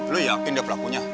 lu yakin deh pelakunya